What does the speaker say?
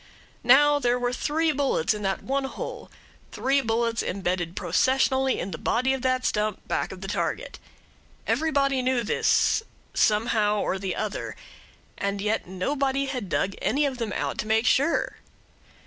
There were now three bullets in that one hole three bullets embedded processionally in the body of the stump back of the target. Everybody knew this somehow or other and yet nobody had dug any of them out to make sure.